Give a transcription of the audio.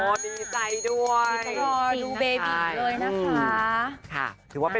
โอ้ดีใจด้วย